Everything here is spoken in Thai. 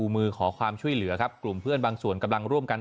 มือขอความช่วยเหลือครับกลุ่มเพื่อนบางส่วนกำลังร่วมกัน